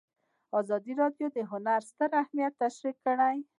ازادي راډیو د هنر ستر اهميت تشریح کړی.